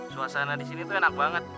suasana di sini tuh enak banget